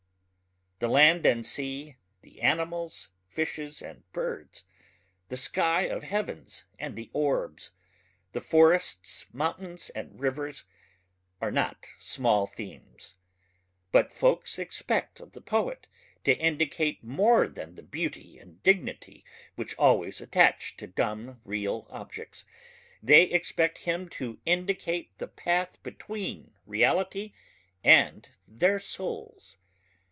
The land and sea, the animals fishes and birds, the sky of heavens and the orbs, the forests mountains and rivers, are not small themes ... but folks expect of the poet to indicate more than the beauty and dignity which always attach to dumb real objects,... they expect him to indicate the path between reality and their souls.